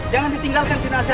jangan ditinggalkan cenasanya